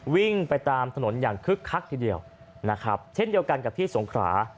วิ่งไปตามถนนอย่างคึกคักทีเดียวนะครับเช่นเดียวกันกับที่สงขรา